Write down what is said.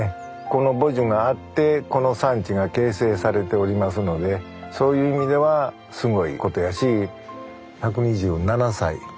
この母樹があってこの産地が形成されておりますのでそういう意味ではすごいことやし１２７歳。